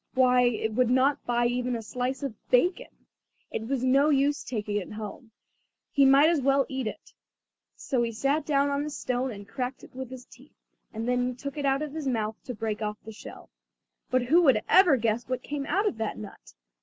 Why, it would not buy even a slice of bacon. It was no use taking it home, he might as well eat it. So he sat down on a stone and cracked it with his teeth, and then took it out of his mouth to break off the shell. But who could ever guess what came out of that nut?